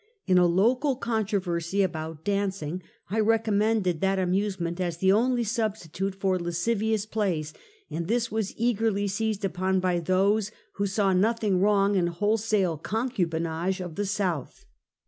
In a local controversy about dancing, I recommended that amusement as the only substitute for lascivious plays, and this was eagerly seized upon by those who saw nothing wrong in wholesale concubinage of the South.